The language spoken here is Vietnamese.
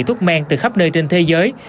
thuốc men từ khắp nơi trên thế giới